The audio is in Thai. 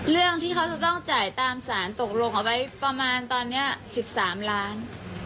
เรื่องที่เขาจะต้องจ่ายตามสารตกลงเอาไว้ประมาณตอนนี้๑๓ล้าน